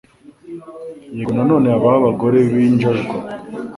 yego na none habaho abagore b’injajwa